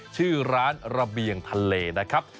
ชื่อร้านระเบียงทะเลนะครับ